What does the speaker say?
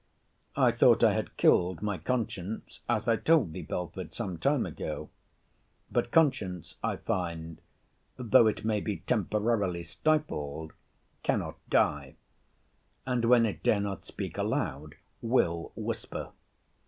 I thought I had killed my conscience, as I told thee, Belford, some time ago. But conscience, I find, though it may be temporarily stifled, cannot die, and, when it dare not speak aloud, will whisper.